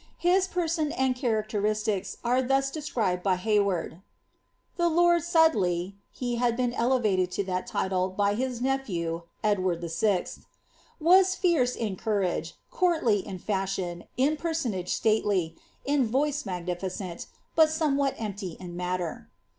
His person and characteristics are thus described by Hay d :—^ The lord Sudley" (he had been elevated to that title by his tiew, Edward VI.) ^was fierce in courage, courtly in feshion, in onage stately, in voice magnificent, but somewhat empty in matter.